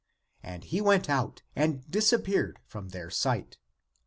And he went out, and dis appeared from their sight.